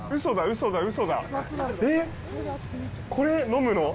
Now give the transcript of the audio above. これ飲むの？